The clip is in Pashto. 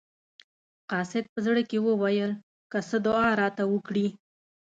قاصد په زړه کې وویل که څه دعا راته وکړي.